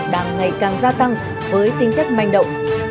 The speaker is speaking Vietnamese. đang ngày càng gia tăng với tính chất manh động